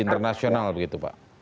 internasional begitu pak